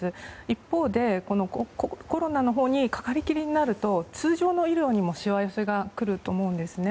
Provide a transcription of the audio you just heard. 一方で、コロナのほうにかかりきりになると通常の医療にもしわ寄せが来ると思うんですね。